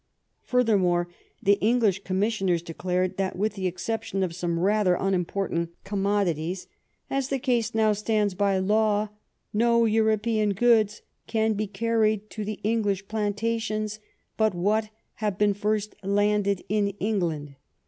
Fur thermore, the English commissioners declared that with the exception of some rather unimportant commodi ties, ''as the case now stands by law, no European goods can be carried to the English Plantations but what have been first landed in England."